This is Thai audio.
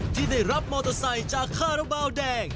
ที่ได้รับมอเตอร์ไซค์จากคาราบาลแดง